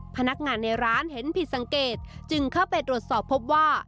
พนักงานในร้านเห็นผิดสังเกตจึงเข้าไปตรวจสอบพบว่า